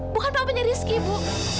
bukan pembunyi rizky bu